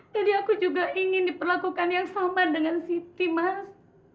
jadi aku juga ingin diperlakukan yang sama dengan siti mas